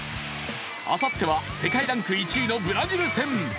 あさっては世界ランク１位のブラジル戦。